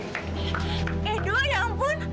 eh do ya ampun